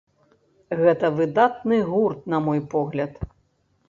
Гэта выдатны гурт, на мой погляд.